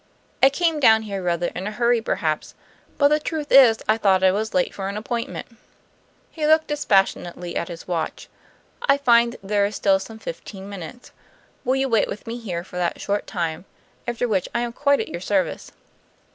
I came down here rather in a hurry perhaps; but the truth is I thought I was late for an appointment." He looked dispassionately at his watch. "I find there is still some fifteen minutes. Will you wait with me here for that short time; after which I am quite at your service."